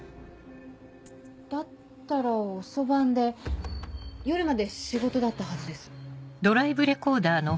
だったら遅番で夜まで仕事だったはずです。